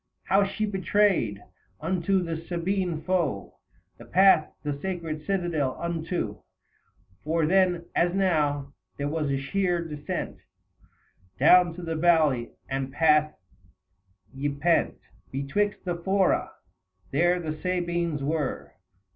How she betrayed, unto the Sabine foe, The path the sacred citadel unto. " For then, as now, there was a sheer descent 280 Down to the valley, and the path ypent Betwixt the Fora : there the Sabines were.